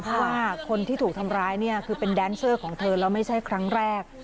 เพราะว่าคนที่ถูกทำร้ายเนี่ยคือเป็นแดนเซอร์ของเธอแล้วไม่ใช่ครั้งแรก